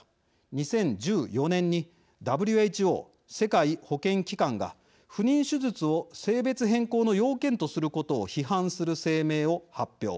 ２０１４年にＷＨＯ＝世界保健機関が不妊手術を性別変更の要件とすることを批判する声明を発表。